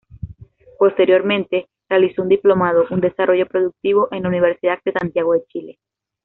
Posteriormente, realizó un diplomado en Desarrollo Productivo en la Universidad de Santiago de Chile.